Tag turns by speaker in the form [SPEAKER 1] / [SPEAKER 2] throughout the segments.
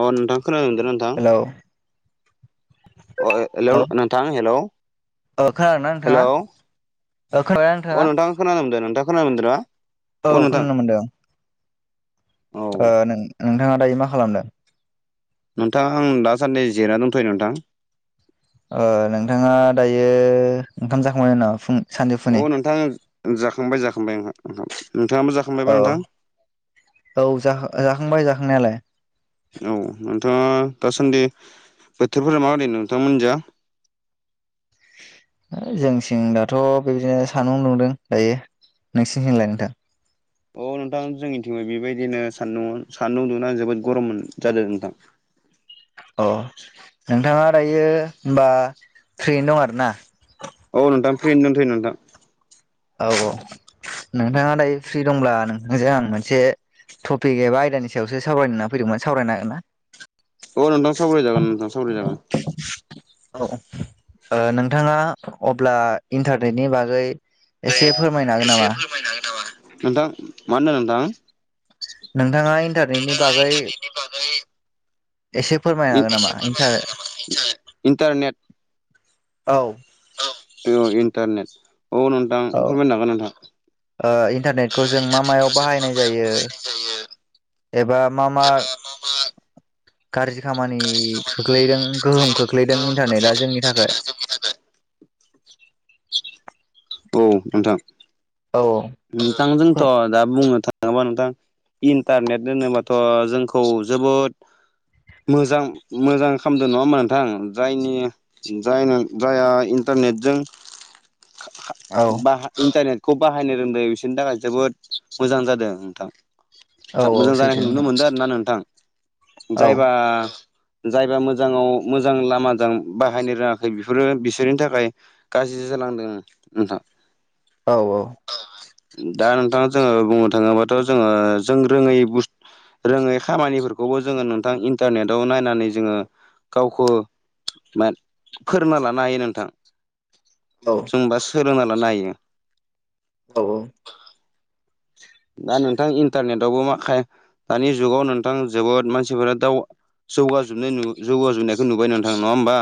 [SPEAKER 1] अ नोंथां खोनानो मोनदोना नोंथां
[SPEAKER 2] हेलौ
[SPEAKER 1] अ ए एलौ नोंथां हेलौ
[SPEAKER 2] ओ खोनादोंना नोंथाङा
[SPEAKER 1] हेलौ
[SPEAKER 2] ओ खोनाबायना नोंथाङा?
[SPEAKER 1] अ नोंथां खोनानो मोनदों नोंथाङा खोनानो मोनदों ना
[SPEAKER 2] औ
[SPEAKER 1] अ नोंथां
[SPEAKER 2] खोनानो मोन्दों
[SPEAKER 1] औ
[SPEAKER 2] ओ नोंथाङा दायो मा खालामदों
[SPEAKER 1] नोंथां आं दासान्दि जिरायना दंथ'यो नोंथां
[SPEAKER 2] नोंथाङा दायो ओंखाम जाखांबाय नामा फुं सानजौफुनि?
[SPEAKER 1] अ नोंथां जाखांबाय जाखांबाय ओं ओंखाम
[SPEAKER 2] औ औ जा जाखांबाय जाखांनायालाय
[SPEAKER 1] औ नोंथाङा दासान्दि बोथोरफोरा माबोरै नोंथां मोननिजा
[SPEAKER 2] जोंथिं दाथ' बिबायदिनो सानदुं दुंदों दायो नोंसिनिथिंलाय नोंथां
[SPEAKER 1] औ नोंथां जोंनिथिं बो बेबायदिनो सान्दुं सान्दुं दुंना जोबोद गरम जादों नोंथां
[SPEAKER 2] अ नोंथाङा दायो होनबा फ्रियैनो दं आरो ना
[SPEAKER 1] औ नोंथां फ्रियैनो दंथयो नोंथां
[SPEAKER 2] औ औ नोंथाङा दायो फ्रि दंब्ला नोंथांजों आं मोनसे थपिक एबा आयदानि सायावसो सावरायनो होनना फैदोंमोन सावरायनो हागोनना?
[SPEAKER 1] औ नोंथां सावराय जागोन नोंथां सावराय जागोन
[SPEAKER 2] औ नोंथाङा अब्ला इन्टारनेटनि बागै एसे फोरमायनो हागोन
[SPEAKER 1] एसे
[SPEAKER 2] नामा
[SPEAKER 1] फोरमायनो हागोन नामा नोंथां मा होनदों नोंथां
[SPEAKER 2] नोंथाङा इन्टारनेटनि
[SPEAKER 1] नोंथाङा
[SPEAKER 2] बागै
[SPEAKER 1] इन्टारनेटनि बागै
[SPEAKER 2] एसे फोरमायनो हागोन
[SPEAKER 1] एसे
[SPEAKER 2] नामा
[SPEAKER 1] फोरमायनो
[SPEAKER 2] इन्टार
[SPEAKER 1] हागोन नामा इन्टारनेट इन्टरनेट
[SPEAKER 2] औ
[SPEAKER 1] औ इन्टारनेट औ नोंथां
[SPEAKER 2] औ
[SPEAKER 1] फोरमायनो हागोन नोंथां
[SPEAKER 2] ओ
[SPEAKER 1] ओ
[SPEAKER 2] इन्टारनेटखौ जों मा मायाव
[SPEAKER 1] इन्टारनेटखौ जों मा
[SPEAKER 2] बाहायनाय
[SPEAKER 1] मायाव
[SPEAKER 2] जायो
[SPEAKER 1] बाहायनाय जायो
[SPEAKER 2] एबा मा मा
[SPEAKER 1] एबा मा
[SPEAKER 2] गाज्रि खामानि
[SPEAKER 1] गाज्रि खामानि
[SPEAKER 2] खोख्लैदों गोहोम खोख्लैदों
[SPEAKER 1] गोहोम
[SPEAKER 2] इन्टारनेटआ
[SPEAKER 1] खोख्लैदों
[SPEAKER 2] जोंनि थाखाय
[SPEAKER 1] इन्टारनेटआ जोंनि थाखाय औ नोंथां
[SPEAKER 2] औ
[SPEAKER 1] नोंथां जोंथ' दा बुंनो थाङोबा नोंथां इन्टारनेट होनोबाथ' जोंखौ जोबोद मोजां मोजां खालामदों नङा होमबा नोंथां जायनि जाय जायहा इन्टारनेटजों
[SPEAKER 2] औ
[SPEAKER 1] बा इन्टारनेटखौ बाहायनो रोंदों बिसोरनि थाखाय जोबोद मोजां जादों नोंथां
[SPEAKER 2] औ औ
[SPEAKER 1] मोजां
[SPEAKER 2] सैथो
[SPEAKER 1] जानायखौ नुनो
[SPEAKER 2] नोंथां
[SPEAKER 1] मोनदों आरो ना नोंथां
[SPEAKER 2] औ
[SPEAKER 1] जायबा जायबा मोजाङाव मोजां लामाजों बाहायनो रोङाखै बेफोरो बिसोरनि थाखाय गाज्रि जालांदों नोंथां
[SPEAKER 2] औ औ
[SPEAKER 1] दा नोंथां जोङो बुंनो थाङोबाथ' जोङो जों रोङै बुस्थ रोङै खामानिफोरखौबो जोङो नोंथां इन्टारनेटाव नायनानै जोङो गावखौ मा फोरोंना लानो हायो नोंथां
[SPEAKER 2] औ
[SPEAKER 1] नोंबा सोलोंना लानो हायो
[SPEAKER 2] औ औ
[SPEAKER 1] दा नोंथां इन्टारनेटआवबो माखा दानि जुगाव नोंथां जोबोद मानसिफोरा दाउ जौगाजोबनाय जौगाजोबनायखौ नुबाय नोंथां नङा होमबा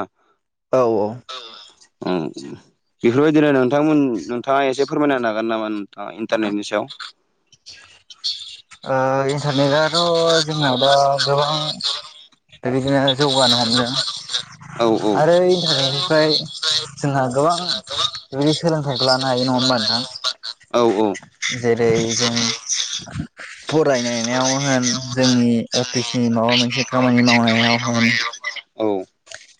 [SPEAKER 2] औ औ
[SPEAKER 1] औ बेफोरबायदिनो नोंथांमोन नोंथाङा एसे फोरमायना होनो हागोन नामा इन्टारनेटनि सायाव
[SPEAKER 2] [inaudible] ओ इन्टारनेटआथ' जोंना दा गोबां बिदिनो जौगानो हमदों
[SPEAKER 1] औ
[SPEAKER 2] आरो इन्टारनेट फ्राय जोंहा गोबां बिदि सोलोंथायखौ लानो हायो नङा होमबा नोंथां
[SPEAKER 1] औ औ
[SPEAKER 2] जेरै जों फरायनायनायाव होन जोंनि अफिसनि माबा मोनसे खामानि मावनायाव होन
[SPEAKER 1] औ औ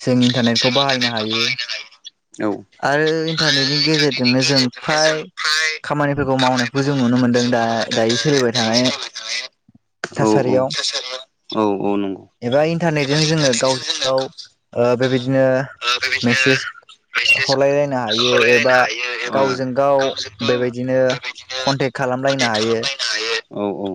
[SPEAKER 2] जों इन्टारनेटखौ
[SPEAKER 1] जों
[SPEAKER 2] बाहायनो
[SPEAKER 1] इन्टारनेटखौ
[SPEAKER 2] हायो
[SPEAKER 1] बाहायनो हायो औ
[SPEAKER 2] आरो इन्टारनेटनि
[SPEAKER 1] इन्टारनेटनि
[SPEAKER 2] गेजेरजोंनो जों
[SPEAKER 1] गेजेरजोंनो जों
[SPEAKER 2] फ्राय
[SPEAKER 1] फ्राय
[SPEAKER 2] खामानिफोरखौ मावनो खौ
[SPEAKER 1] खामानिफोरखौ
[SPEAKER 2] जों नुनो
[SPEAKER 1] मावनायखौ
[SPEAKER 2] मोन्दों
[SPEAKER 1] जों
[SPEAKER 2] दा
[SPEAKER 1] नुनो मोनदों दा
[SPEAKER 2] दायो सोलिबाय
[SPEAKER 1] दायो
[SPEAKER 2] थानाय
[SPEAKER 1] सोलिबाय औ औ
[SPEAKER 2] थासारियाव
[SPEAKER 1] औ औ नंगौ
[SPEAKER 2] एबा
[SPEAKER 1] एबा
[SPEAKER 2] इन्टारनेटजों जोङो गाव
[SPEAKER 1] इन्टारनेटजों जोङो
[SPEAKER 2] गाव
[SPEAKER 1] गावजों गाव
[SPEAKER 2] बेबायदिनो
[SPEAKER 1] ओ बेबायदिनो मेसेज
[SPEAKER 2] हलायलायनो हायो एबा
[SPEAKER 1] हरलायलायनो हायो एबा
[SPEAKER 2] गावजों गाव
[SPEAKER 1] गावजों गाव
[SPEAKER 2] बेबायदिनो
[SPEAKER 1] बेबायदिनो
[SPEAKER 2] कनटेक्ट खालामलायनो
[SPEAKER 1] कन्टेक्ट
[SPEAKER 2] हायो
[SPEAKER 1] खालामलायनो हायो औ औ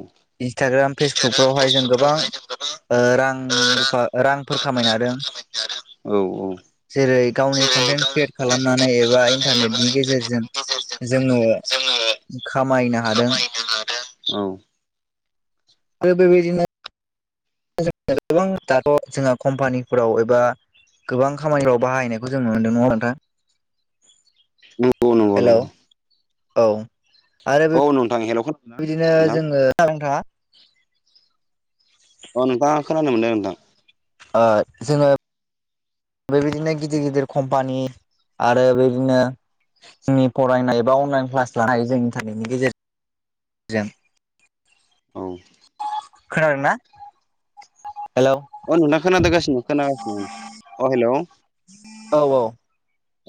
[SPEAKER 2] इन्सटाग्राम
[SPEAKER 1] इन्सटाग्राम
[SPEAKER 2] फेसबुकफ्रावहाय जों गोबां
[SPEAKER 1] फेसबुकफ्रावहाय जों गोबां
[SPEAKER 2] रां
[SPEAKER 1] ओ रां
[SPEAKER 2] रुफा रांफोर खामायनो हादों
[SPEAKER 1] खामायनो हादों औ औ
[SPEAKER 2] जेरै गावनि
[SPEAKER 1] जेरै
[SPEAKER 2] कन्टेन्ट
[SPEAKER 1] गावनि
[SPEAKER 2] क्रियेट
[SPEAKER 1] कन्टेन्ट क्रियेट
[SPEAKER 2] खालामनानै एबा
[SPEAKER 1] खालामनानै एबा
[SPEAKER 2] इन्टारनेटनि गेजेरजों
[SPEAKER 1] इन्टारनेटनि गेजेरजों
[SPEAKER 2] जोङो खामायनो हादों
[SPEAKER 1] गोबां सम
[SPEAKER 2] आरो बेबादिनो गोबां दाथ' जोंहा कम्पानिफोराव एबा गोबां खामानिफ्राव बाहायनायखौ जों नुनो मोन्दों नङा होमबा नोंथा
[SPEAKER 1] नंगौ नंगौ
[SPEAKER 2] हेलौ
[SPEAKER 1] नंगौ
[SPEAKER 2] औ आरो
[SPEAKER 1] औ नोंथां हेलौ
[SPEAKER 2] बिदिनो जोङो खोनादों ना नोंथां
[SPEAKER 1] अ नोंथां खोनानो मोनदों नोंथां
[SPEAKER 2] ओ जोङो बेबायदिनो गिदिर गिदिर कम्पानि आरो बेबायदिनो जोंनि फरायनाय बा अनलाइन क्लास लानाय हायो जों इन्टारनेटनि गेजेरजोंजों
[SPEAKER 1] औ
[SPEAKER 2] खोनादों ना हेलौ
[SPEAKER 1] अ नोंथां खोनादो गासिनो खोनागासिनो अ हेल'
[SPEAKER 2] औ औ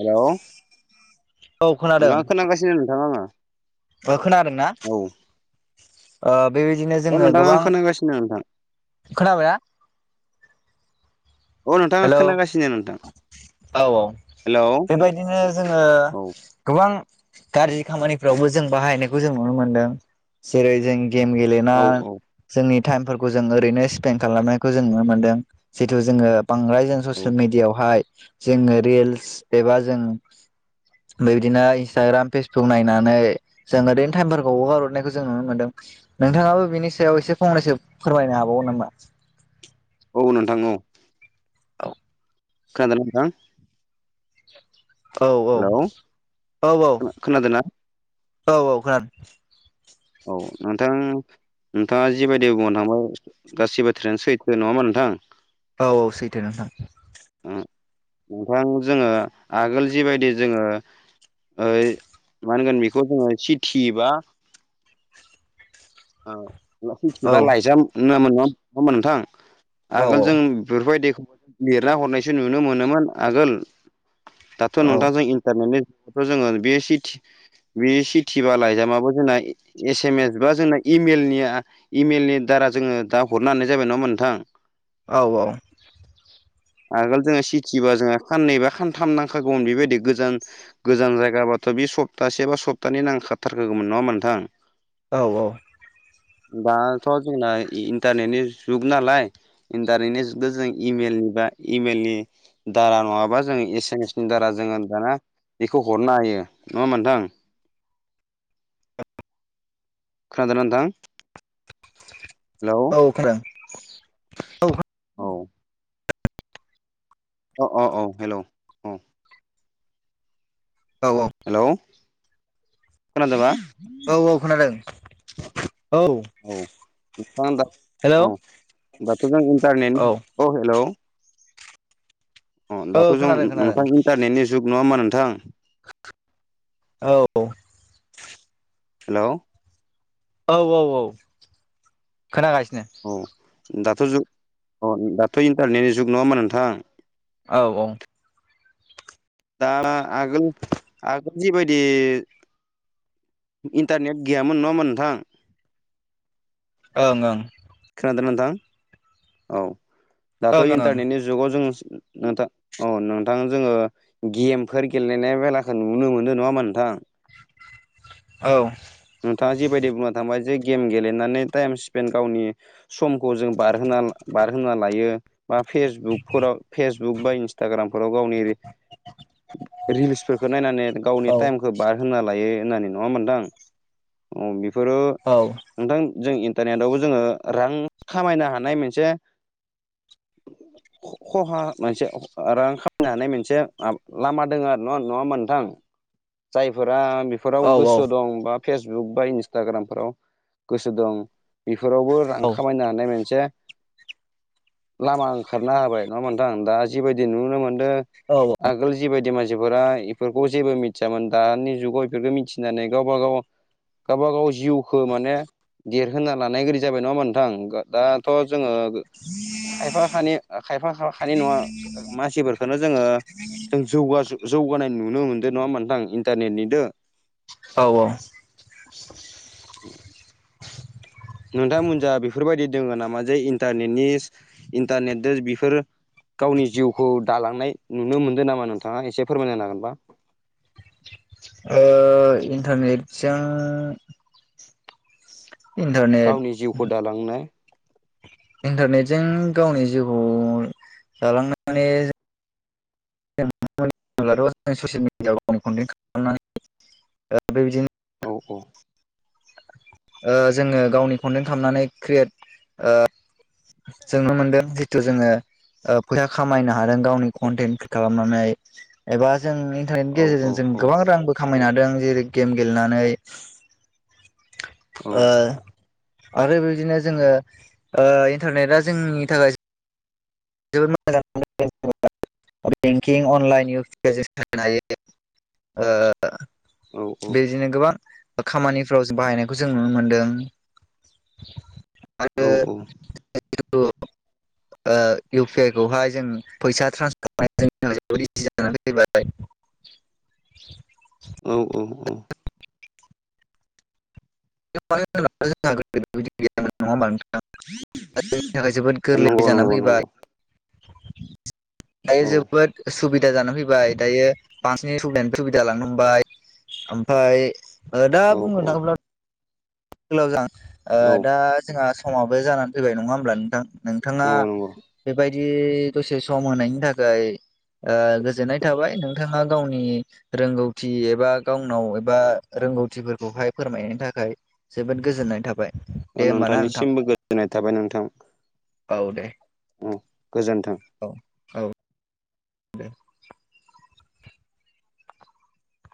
[SPEAKER 1] हेलौ
[SPEAKER 2] औ
[SPEAKER 1] नोंथा खोनागासिनो नोंथां आङो
[SPEAKER 2] ओ खोनादों ना? ओ बेबायदिनो
[SPEAKER 1] औ अ
[SPEAKER 2] जोङो
[SPEAKER 1] नोंथां आं
[SPEAKER 2] गोबां
[SPEAKER 1] खोनागासिनो नोंथां
[SPEAKER 2] खोनाबायना?
[SPEAKER 1] औ नोंथां आं खोनागासिनो नोंथां।
[SPEAKER 2] औ औ
[SPEAKER 1] हेलौ औ
[SPEAKER 2] बेबायदिनो जोङो
[SPEAKER 1] औ
[SPEAKER 2] गोबां गाज्रि खामानिफ्रावबो जों बाहायनायखौ जों नुनो मोनदों जेरै जों गेम गेले ना
[SPEAKER 1] औ
[SPEAKER 2] जोंनि टाइमफोरखौ जों ओरैनो स्पेन्ड खालामनायखौ जों नुनो मोनदों जिथु जोङो बांद्राय जों
[SPEAKER 1] औ
[SPEAKER 2] ससियेल मिडियावहाय जोङो रिल्स एबा जों बेबादिनो इन्सटाग्राम फेसबुक नायनानै जों ओरैनो टाइमफोरखौ हगार हरनायखौ जों नुनो मोनदों। नोंथाङाबो बिनि सायाव एसे फंनैसो फोरमायनो हाबावगोन नामा?
[SPEAKER 1] औ नोंथां औ
[SPEAKER 2] औ
[SPEAKER 1] खोनादो ना नोंथां? हेलौ
[SPEAKER 2] औ औ औ औ
[SPEAKER 1] खोनादोंना
[SPEAKER 2] औ औ खोनादो।
[SPEAKER 1] औ नोंथां नोंथाङा जिबायदि बुंना थांबाय गासिबो बाथ्रायानो सैथो नङा ओमबा नोंथां?
[SPEAKER 2] औ औ सैथो नोंथां।
[SPEAKER 1] उम नोंथां जोङो आगोल जिबायदि जोङो ओ मा होनगोन बेखौ जोङो सिटि एबा ओ बा‌ सिथि
[SPEAKER 2] औ
[SPEAKER 1] बा लाइजाम होनोमोन ना [unintelligible] नङा ओमबा नोंथां?
[SPEAKER 2] औ
[SPEAKER 1] आगोल जों बेफोरबायदिखौबो लिरना हरनायसो नुनो मोनोमोन आगोल थ'
[SPEAKER 2] औ
[SPEAKER 1] नोंथांजों इन्टनेटनि थ' जोङो बे सिटि बे सिटि बा लाइजामाबो जोंना एस एम एस बा जेने इमेलनिया इमेलनि दारा जोङो दा हरनो हानाय जाबाय नङा नोंथां?
[SPEAKER 2] औ औ
[SPEAKER 1] आगोल जोङो सिटिबा जोङो खाननैबा खानथाम नांखागौमोन बेबायदि गोजान गोजान जायगाबाथ' बे सप्तासे बा सप्तानै नांखाथारखोगोमोन नङा ओनबा नोंथां?
[SPEAKER 2] औ औ
[SPEAKER 1] दाथ' जोंना इन्टारनेटनि जुग नालाय इन्टारनेटनि जुगदो जों इमेल नि बा इमेल नि दारा नङाबा जों एसेमेसनि नि दारा जोङो दाना बेखौ हरनो हायो नङा ओमबा नोंथां? खोनादो ना नोंथां हेलौ
[SPEAKER 2] औ खोनादों औ
[SPEAKER 1] औ अ अ औ हेलौ औ
[SPEAKER 2] औ औ
[SPEAKER 1] हेलौ खोनादोबा
[SPEAKER 2] औ औ खोनादों। औ
[SPEAKER 1] औ नोंथाङा दा
[SPEAKER 2] हेलौ
[SPEAKER 1] औ होनबाथ' जों इन्टारनेट औ हेलौ अ दाथ' जों
[SPEAKER 2] खोनादों खोनादों
[SPEAKER 1] नोंथां इन्टारनेटनि जुग नङा ओनबा नोंथां?
[SPEAKER 2] औ
[SPEAKER 1] हेलौ
[SPEAKER 2] औ औ औ खोनागासिनो
[SPEAKER 1] औ दाथ' जुग अ दाथ' इन्टारनेटनि जुग नङा ओनबा नोंथां?
[SPEAKER 2] औ औ
[SPEAKER 1] दा आगोल आगोल जिबायदि इन्टारनेट गैयामोन नङा ओमबा नोंथां?
[SPEAKER 2] ओं ओं
[SPEAKER 1] खोनादोना नोंथां औ दाथ इन्टारनेटनि जुगाव जों नोंथां औ नोंथां जोङो गेमफोर गेलेनाय बेलाखौ नुनो मोनदों नङा होनबा नोंथां
[SPEAKER 2] औ
[SPEAKER 1] नोंथाङा जिबायदि बुंना थांबाय जे गेम गेलेनानै टाइम स्पेन्ड गावनि समखौ जों बारहोना बारहोना लायो बा फेसबुकफोराव फेसबुक बा इन्सटाग्रामफोराव गावनि रिल्सफोरखौ नायनानै गावनि
[SPEAKER 2] ओं
[SPEAKER 1] टाइम खौ बारहोना लायो होननानै नङा होनबा नोंथां बेफोरो
[SPEAKER 2] औ
[SPEAKER 1] नोंथां जों इन्टारनेटआवबो जोङो रां खामायनो हानाय मोनसे
[SPEAKER 2] [inaudible]
[SPEAKER 1] खहा मोनसे रां खामनो हानाय मोनसे लामा दोङो आरोना नङा होनबा नोंथां जायफोरा फोराव
[SPEAKER 2] औ
[SPEAKER 1] गोसो दं बा फेसबुक बा इन्सटाग्रामफोराव गोसो दं बेफोरावबो खामायनो हानाय मोनसे लामा ओंखारना होबाय नङा‌ होमबा नोंथां दा जिबायदि नुनो मोनदों
[SPEAKER 2] औ
[SPEAKER 1] आगोल जिबायदि मानसिफोरा इफोरखौ जेबो मिथियामोन दानि जुगाव इफोरखौ मिथिनानै गावबा गाव गावबा गाव जिउखौ माने देरहोना लानाय गोदि जाबाय नङा होमबा नोंथां दाथ जोङो खायफा खानै खायफा खा खानै नङा मानसिफोरखौनो जोङो जों जौगा जौगानाय नुनो मोनदों नङा होमबा नोंथां इन्टारनेटनिदो
[SPEAKER 2] औ औ
[SPEAKER 1] नोंथांमोनजा बेफोरबायदि दोङो नामा जे इन्टारनेटनि इन्टारनेटदो बेफोर गावनि जिउखौ दालांनाय नुनो मोनदों नामा नोंथाङा एसे फोरमायनो लाागोनबा
[SPEAKER 2] ओ इनटानरेतजों
[SPEAKER 1] गावनि जिउखौ दालांनो
[SPEAKER 2] इन्टारनेटजों गावनि जिउखौ दालांनानै [unintelligible] ससेल मिडियाव [unintelligible] खालामनानै ओ बेबादिनो
[SPEAKER 1] औ औ
[SPEAKER 2] ओ जोङो गावनि खनटेन खालामनानै क्रियेट ओ जों नुनो मोनदों जिथु जोङो फैसा खामायनो हादों गावनि कन्टेन्ट क्रियेट खालामनानै एबा जोंनि
[SPEAKER 1] औ
[SPEAKER 2] गेजेरजों
[SPEAKER 1] औ
[SPEAKER 2] जों
[SPEAKER 1] औ
[SPEAKER 2] गोबां रांबो खामायनो हादों जेरै गेम गेलेनानै
[SPEAKER 1] औ
[SPEAKER 2] आरो बेदिनो जोङो ओ इन्टारनेटआ जोंनि थाखाय जोबोद मोजां [unintelligible] बेंकिं अनलाइन इउस जों खालामनो हायो ओ
[SPEAKER 1] औ
[SPEAKER 2] बेदिनो गोबां खामानिफ्राव बाहायनायखौ जों नुनो मोनदों आरो
[SPEAKER 1] औ औ
[SPEAKER 2] [unintelligible] ओ इउ पि आइ खौहाय जों फैसा ट्रान्सफार [unintelligible]
[SPEAKER 1] उम उम उम
[SPEAKER 2] [unintelligible] नङा होमबा नोंथां [unintelligible] जोंनि थाखाय जोबोद गोरलै
[SPEAKER 1] नंगौ नंगौ
[SPEAKER 2] जानानै
[SPEAKER 1] नंगौ
[SPEAKER 2] फैबाय दायो
[SPEAKER 1] औ
[SPEAKER 2] जोबोद सुबि दा जानो फैबाय दायो बांसिनि सुबिदानि सुबिदा जालांनो हमबाय ओमफाय ओ दा
[SPEAKER 1] औ
[SPEAKER 2] बुंनो
[SPEAKER 1] औ
[SPEAKER 2] थाङोब्ला [unintelligible] ओ
[SPEAKER 1] औ
[SPEAKER 2] दा जोंहा समावबो जानानै फैबाय नङा होमब्ला नोंथां नोंथाङा
[SPEAKER 1] नंगौ नंगौ
[SPEAKER 2] बेबायदि दसे सम होनायनि थाखाय गोजोननाय थाबाय नोंथाङा गावनि रोंगौथि एबा गावनाव एबा रोंगौथिफोरखौहाय फोरमायनायनि थाखाय जोबोद गोजोननाय थाबाय दे होमबा ना नोंथां
[SPEAKER 1] नोंथांनिसिमबो गोजोननाय थाबाय नोंथां
[SPEAKER 2] औ दे
[SPEAKER 1] औ गोजोन्थों
[SPEAKER 2] होन दे